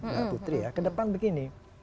mbak putri ya ke depan begini